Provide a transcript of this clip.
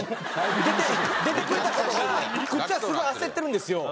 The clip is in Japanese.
出てくれた事がこっちはすごい焦ってるんですよ。